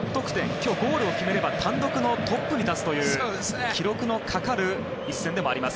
今日ゴールを決めれば単独のトップに立つという記録のかかる一戦でもあります。